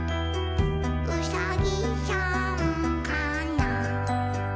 「うさぎさんかな？」